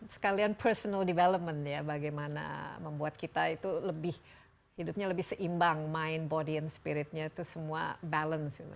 sekalian personal development ya bagaimana membuat kita itu lebih hidupnya lebih seimbang main body and spiritnya itu semua balance gitu